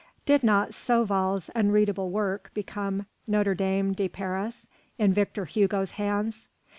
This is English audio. Did not Sauval's unreadable work become "Notre Dame de Paris" in Victor Hugo's hands?